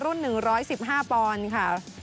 รุ่น๑๑๕ปอนค่ะ